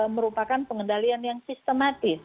merupakan pengendalian yang sistematis